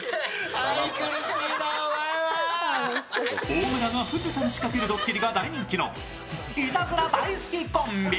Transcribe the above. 大村が藤田に仕掛けるドッキリが大人気のいたずら大好きコンビ。